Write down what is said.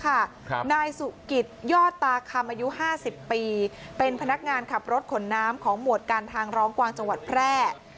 นายสุกิตยอดตาคำอายุห้าสิบปีเป็นพนักงานขับรถขนน้ำของหมวดการทางร้องกวางจังหวัดแพร่